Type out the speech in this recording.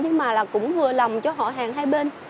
nhưng mà là cũng vừa lòng cho họ hàng hai bên